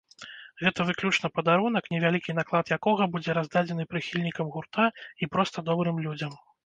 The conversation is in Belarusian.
Гэта выключна падарунак, невялікі наклад якога будзе раздадзены прыхільнікам гурта і проста добрым людзям.